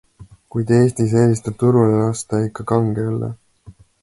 Kuid Eestis eelistab turule lasta ikka kange õlle.